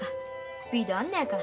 スピードあんのやから。